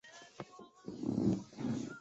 列为武汉市优秀历史建筑。